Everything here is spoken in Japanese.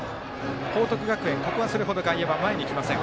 報徳学園、ここはそれほど外野は前に来ません。